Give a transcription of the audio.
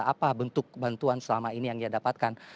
apa bentuk bantuan selama ini yang ia dapatkan